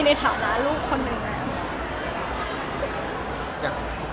ในฐานะลูกคนหนึ่งอะ